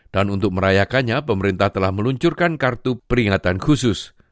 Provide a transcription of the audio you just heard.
dan untuk merayakannya pemerintah telah meluncurkan kartu peringatan khusus